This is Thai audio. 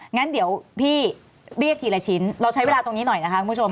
งั้นเดี๋ยวพี่เรียกทีละชิ้นเราใช้เวลาตรงนี้หน่อยนะคะคุณผู้ชม